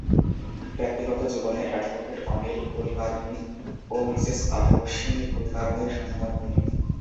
ব্যক্তিগত জীবনে অ্যাডভোকেট অনিল কুলকার্নি ও মিসেস অশ্বিনী কুলকার্নি’র সন্তান তিনি।